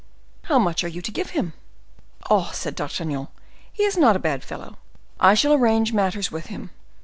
"How much are you to give him?" "Oh!" said D'Artagnan, "he is not a bad fellow; I shall arrange matters with him.